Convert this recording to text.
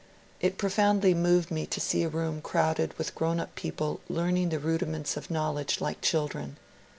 It profoundly moved me to see a room crowded with grown up people learning the rudi ments of knowledge like children.